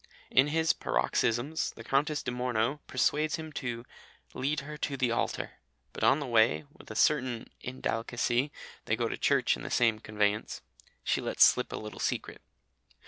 In his paroxysms the Countess di Morno persuades him to "lead her to the altar," but on the way (with a certain indelicacy they go to church in the same conveyance) she lets slip a little secret.